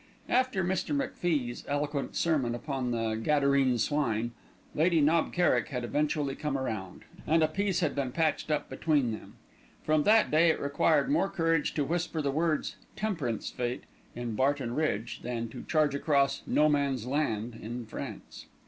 After Mr. MacFie's eloquent sermon upon the Gadarene swine, Lady Knob Kerrick had eventually come round, and a peace had been patched up between them. From that day it required more courage to whisper the words "Temperance Fête" in Barton Bridge, than to charge across "No Man's Land" in France.